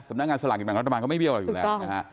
สำนักงานสลากกิจแหม่งรัฐบาลก็ไม่เบี้ยวเราอยู่แล้วถูกต้อง